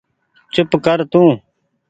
چوپ ڪر تو